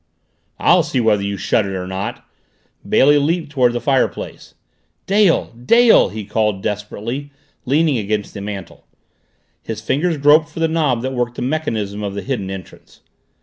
"I'll see whether you shut it or not!" Bailey leaped toward the fireplace. "Dale! Dale!" he called desperately, leaning against the mantel. His fingers groped for the knob that worked the mechanism of the hidden entrance.